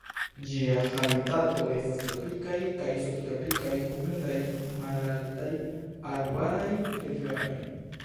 Ĝia habitato estas tropikaj kaj subtropikaj humidaj malaltaj arbaraj regionoj.